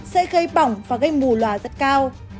sẽ gây bỏng và gây mù lòa rất cao